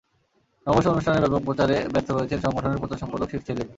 নববর্ষ অনুষ্ঠানের ব্যাপক প্রচারে ব্যস্ত রয়েছেন সংগঠনের প্রচার সম্পাদক শেখ সেলিম।